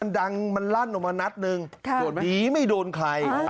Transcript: ดังมันรั่นออกมานัดนึงดีไม่โดนใคร